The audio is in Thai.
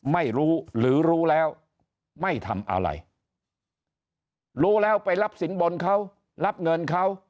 ไม่รู้หรือรู้แล้วไม่ทำอะไรรู้แล้วไปรับสินบนเขารับเงินเขา